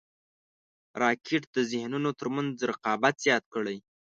راکټ د ذهنونو تر منځ رقابت زیات کړی